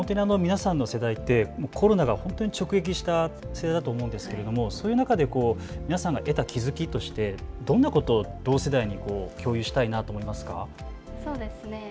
皆さんの世代ってコロナが直撃した世代だと思うんですけれども、そういう中で皆さんが得た気付きとしてどんなことを同世代に共有したいなと思いますか。